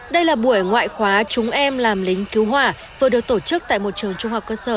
đây là buổi ngoại khóa chúng em làm lính cứu hỏa vừa được tổ chức tại một trường trung học cơ sở